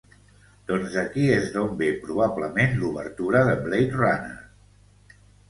Doncs d'aquí és d'on ve probablement l'obertura de "Blade Runner".